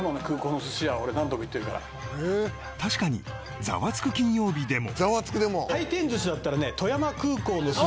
確かに『ザワつく！金曜日』でも